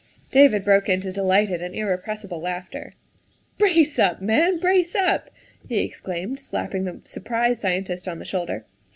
David broke into delighted and irrepressible laughter. '' Brace up, man, brace up !" he exclaimed, slapping the surprised scientist on the shoulder.